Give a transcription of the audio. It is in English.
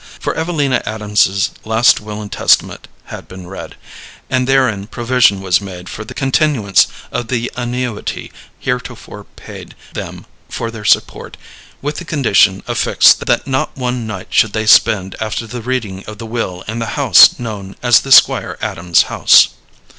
For Evelina Adams's last will and testament had been read, and therein provision was made for the continuance of the annuity heretofore paid them for their support, with the condition affixed that not one night should they spend after the reading of the will in the house known as the Squire Adams house.